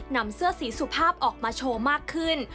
นำเสื้อสีสุภาพออกมาโชว์มากขึ้น